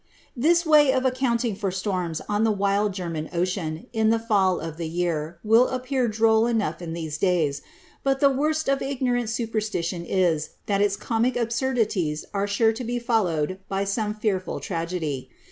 This way of accounting for storms on the wild German ocean, in the GUI of the year, will appear droll enough in these days ; but the worst of ignorant supersliiion is, that its comic absurdities are sure to be fol lowed by some fearful tragedy.